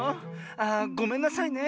ああごめんなさいね。